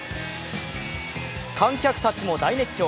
観客たちも大熱狂。